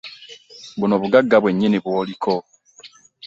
Buno bugagga bwennyini bw'oliko.